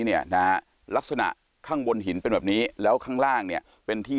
เนี่ยนะลักษณะข้างบนหินเป็นแบบนี้แล้วข้างล่างเนี่ยเป็นที่